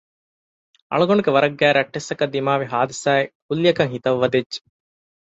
އަޅުގަނޑުގެ ވަރަށް ގާތް ރައްޓެއްސަކަށް ދިމާވި ހާދިސާއެއް ކުއްލިއަކަށް ހިތަށް ވަދެއްޖެ